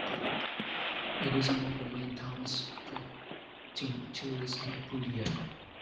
It is among the main towns attracting tourists in Apulia.